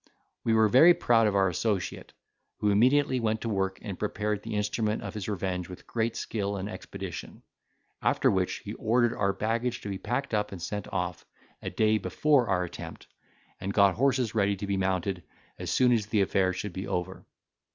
We were very proud of our associate, who immediately went to work, and prepared the instrument of his revenge with great skill and expedition; after which, he ordered our baggage to be packed up and sent off, a day before our attempt, and got horses ready to be mounted, as soon as the affair should be over.